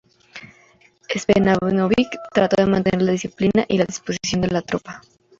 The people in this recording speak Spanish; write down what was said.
Stepanović trató de mantener la disciplina y la disposición de la tropa.